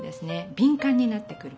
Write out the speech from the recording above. びん感になってくる。